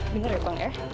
bener ya bang ya